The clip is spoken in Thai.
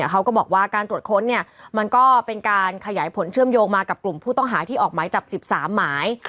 เขาก็บอกว่าการตรวจค้นมันก็เป็นการขยายผลเชื่อมโยงมากับกลุ่มผู้ต้องหาที่ออกหมายจับ๑๓หมาย